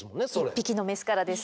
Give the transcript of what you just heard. １匹のメスからです。